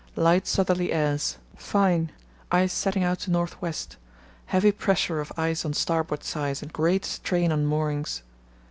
—Light southerly airs; fine; ice setting out to north west; heavy pressure of ice on starboard side and great strain on moorings.